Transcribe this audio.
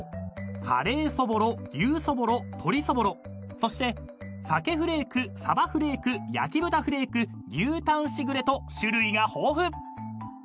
カレーそぼろ牛そぼろ鶏そぼろそして鮭フレークさばフレーク焼豚フレーク牛タンしぐれと種類が豊富］